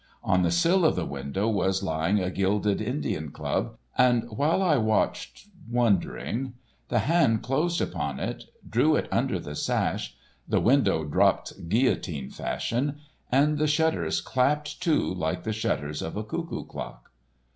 On the sill of the window was lying a gilded Indian club, and while I watched, wondering, the hand closed upon it, drew it under the sash, the window dropped guillotine fashion, and the shutters clapped to like the shutters of a cuckoo clock.